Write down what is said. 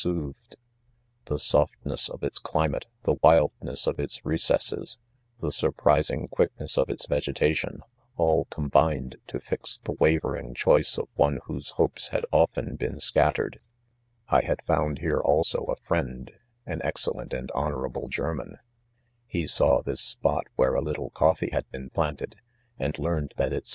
soothed, The softness of its climate, — thewildness of its re* gossgs,— the surprising quickness of its vege tation, — all combined to fix the wavering choice of one w{Lose hopes had often been scat ■;eTed„ I had found here also, a friend, an ex cellent and honorable German, He saw this spot where a little coffee had been planted, and learned that its.